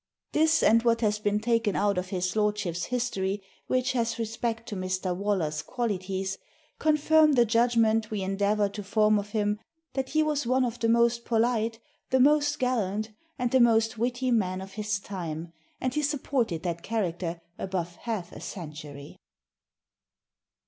This, and what has been taken out of his lordship's history which has respect to Mr. Waller's qualities, confirm the judgment we endeavour to form of him that he was one of the most polite, the most gallant, and the most witty men of his time, and he supported that character above half a century."